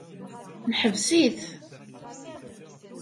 Neḥbes-it.